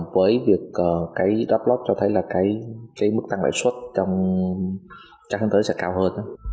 với việc cái tắt lót cho thấy là cái mức tăng lãi xuất trong trang thống tới sẽ cao hơn